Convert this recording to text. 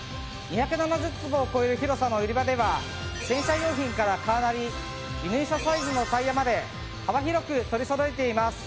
２７０坪を超える広さの売り場では洗車用品からカーナビ輸入車サイズのタイヤまで幅広く取りそろえています。